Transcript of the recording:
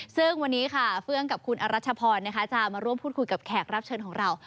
ซึ่งวันนี้ค่ะเฟื่องกับคุณอรัชพรจะมาร่วมพูดคุยกับแขกรับเชิญของเรา